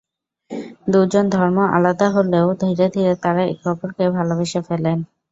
দুজনের ধর্ম আলাদা হলেও ধীরে ধীরে তারা একে অপরকে ভালোবেসে ফেলেন।